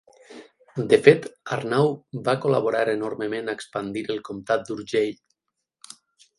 De fet, Arnau va col·laborar enormement a expandir el comtat d'Urgell.